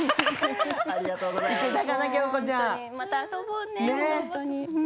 また遊ぼうね。